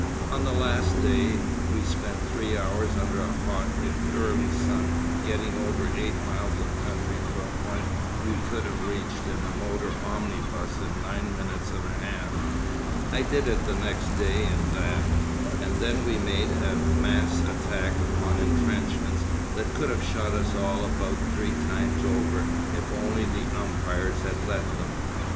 On the last day we spent three hours under a hot if early sun getting over eight miles of country to a point we could have reached in a motor omnibus in nine minutes and a half—I did it the next day in that—and then we made a massed attack upon entrenchments that could have shot us all about three times over if only the umpires had let them.